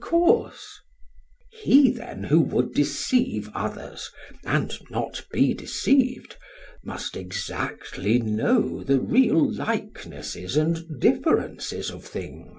SOCRATES: He, then, who would deceive others, and not be deceived, must exactly know the real likenesses and differences of things?